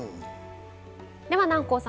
では南光さん